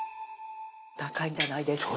高いんじゃないですか？